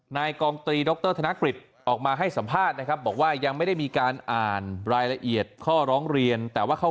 นายกองตรีดรธนกฤษออกมาให้สัมภาษณ์นะครับบอกว่ายังไม่ได้มีการอ่านรายละเอียดข้อร้องเรียนแต่ว่าเข้า